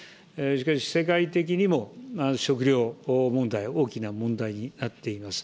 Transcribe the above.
しかし、世界的にも食料問題、大きな問題になっています。